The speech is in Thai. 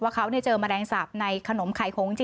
ว่าเค้าเนี่ยเจอแมลงสาปในขนมไข่โหง